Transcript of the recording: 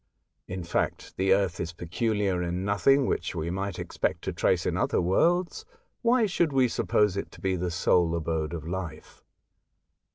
In fact, the Earth is peculiar in nothing which we might expect to trace in other worlds. Why should we suppose it to be the sole abode of life